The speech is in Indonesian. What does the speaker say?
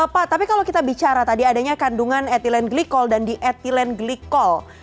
pak tapi kalau kita bicara tadi adanya kandungan ethylene glycol dan di ethylene glycol